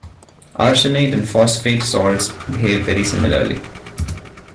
Arsenate and phosphate salts behave very similarly.